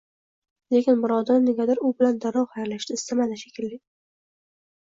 Lekin Mirodil negadir u bilan darrov xayrlashishni istamadi shekilli